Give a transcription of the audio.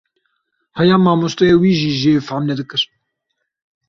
Heya mamosteyê wî jî jê fam nedikir.